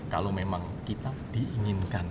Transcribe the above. kalau memang kita diinginkan